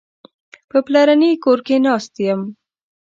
په پلرني کور کې ناست یم.